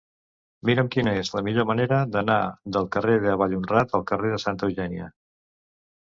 Mira'm quina és la millor manera d'anar del carrer de Vallhonrat al carrer de Santa Eugènia.